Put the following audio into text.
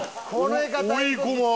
追いごま油！